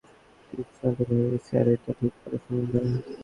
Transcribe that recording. ক্রিস্টালটা ভেঙ্গে গেছে আর এটা ঠিক করা সম্ভব না।